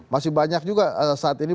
masih banyak juga saat ini